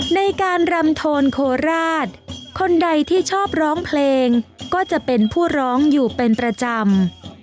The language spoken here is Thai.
ในการรำโทนโคราชคนใดที่ชอบร้องเพลงก็จะเป็นผู้ร้องอยู่เป็นประจำ